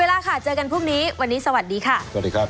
เวลาค่ะเจอกันพรุ่งนี้วันนี้สวัสดีค่ะ